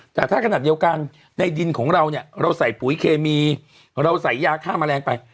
แต่ถ้าขนาดเดียวกันในดินของเราเนี่ยเราใส่ปุ๋ยเคมีเราใส่ยาฆ่าแมลงไป